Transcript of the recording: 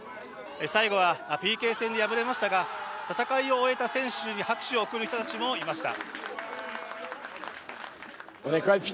最後はＰＫ戦で敗れましたが戦いを終えた選手に拍手を送る人たちもいました。